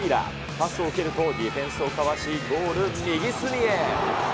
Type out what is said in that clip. パスを受けると、ディフェンスをかわしゴール右隅へ。